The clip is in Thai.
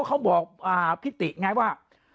เขาบอกว่าพี่ติ๊กไงว่า